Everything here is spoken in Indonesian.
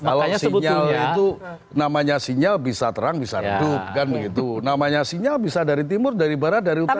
kalau sinyal itu namanya sinyal bisa terang bisa redup kan begitu namanya sinyal bisa dari timur dari barat dari utara